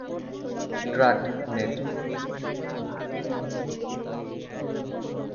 Dragged net!